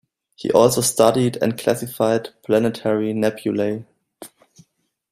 He also studied and classified planetary nebulae.